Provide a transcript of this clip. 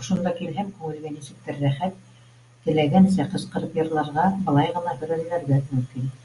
Ошонда килһәм, күңелгә нисектер рәхәт, теләгәнсә ҡысҡырып йырларға, былай ғына һөрәнләргә мөмкин.